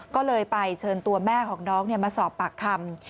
ก็เลยไปเชิญตัวแม่ของน้องมาสอบปากคำ